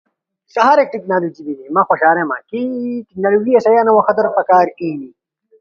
سا ہرے ٹیکنالوجی ہنی مہ خوشاریما۔ چی نرمیا قدر پکار تھی